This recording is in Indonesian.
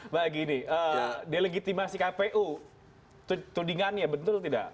mbak egy ini delegitimasi kpu tudingannya betul atau tidak